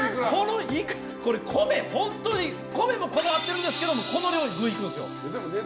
これ、本当に米もこだわってるんですけどこの量いくんですよ。